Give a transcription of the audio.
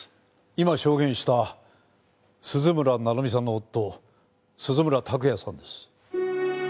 今証言した鈴村成美さんの夫鈴村拓也さんです。